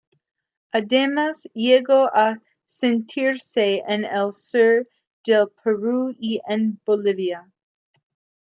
Además, llegó a sentirse en el sur del Perú y en Bolivia.